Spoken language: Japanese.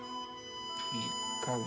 １か月。